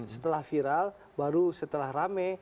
setelah viral baru setelah rame